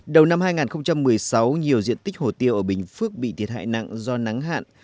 đầu năm hai nghìn một mươi sáu nhiều diện tích hồ tiêu ở bình phước bị thiệt hại nặng do nắng hạn